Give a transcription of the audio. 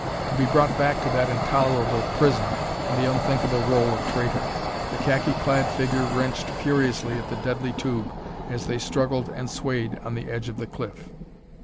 to be brought back to that intolerable prison and the unthinkable role of traitor! The khaki clad figure wrenched furiously at the deadly tube as they struggled and swayed on the edge of the cliff.